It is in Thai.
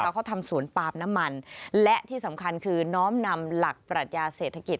เขาทำสวนปาล์มน้ำมันและที่สำคัญคือน้อมนำหลักปรัชญาเศรษฐกิจ